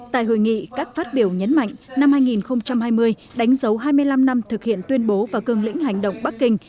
tại hội nghị các phát biểu nhấn mạnh năm hai nghìn hai mươi đánh dấu hai mươi năm năm thực hiện tuyên bố và cương lĩnh hành động bắc kinh